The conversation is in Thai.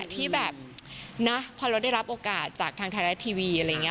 ที่แบบนะพอเราได้รับโอกาสจากทางไทยรัฐทีวีอะไรอย่างนี้